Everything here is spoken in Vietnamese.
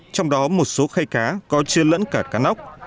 trong đó một số khay cá có chưa lẫn cả cá nóc